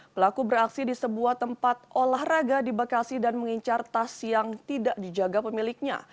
pelaku beraksi di sebuah tempat olahraga di bekasi dan mengincar tas yang tidak dijaga pemiliknya